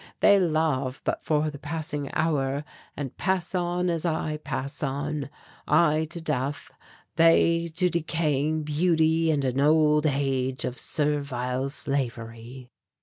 They love but for the passing hour, and pass on as I pass on, I to death, they to decaying beauty and an old age of servile slavery."